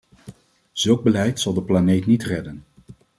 Zulk beleid zal de planeet niet redden.